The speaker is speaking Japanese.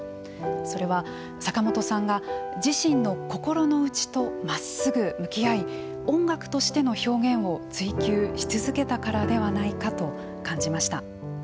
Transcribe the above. それは、坂本さんが自身の心の内とまっすぐ向き合い音楽としての表現を追求し続けたからではないかと感じました。